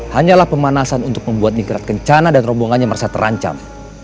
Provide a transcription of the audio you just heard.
hanyalah pemanasan untuk membuat nikrat kencana dan rombongannya merasa terancam